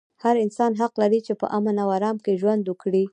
هر انسان حق لري چې په امن او ارام کې ژوند وکړي.